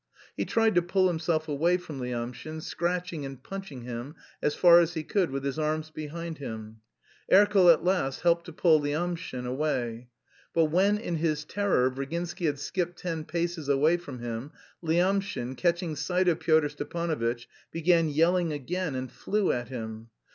He tried to pull himself away from Lyamshin, scratching and punching him as far as he could with his arms behind him. Erkel at last helped to pull Lyamshin away. But when, in his terror, Virginsky had skipped ten paces away from him, Lyamshin, catching sight of Pyotr Stepanovitch, began yelling again and flew at him.